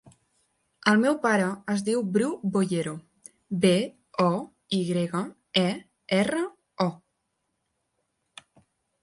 El meu pare es diu Bru Boyero: be, o, i grega, e, erra, o.